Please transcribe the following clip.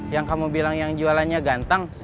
yang kamu bilang yang jualannya ganteng